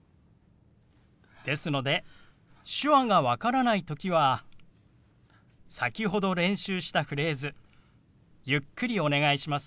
ですので手話が分からない時は先ほど練習したフレーズ「ゆっくりお願いします」